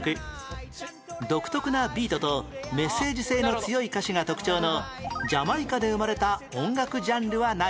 独特なビートとメッセージ性の強い歌詞が特徴のジャマイカで生まれた音楽ジャンルは何？